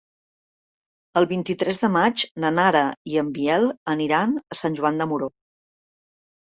El vint-i-tres de maig na Nara i en Biel aniran a Sant Joan de Moró.